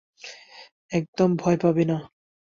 একদম ভয় পাবি না।